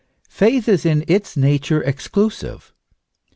Faith is in its nature exclusive.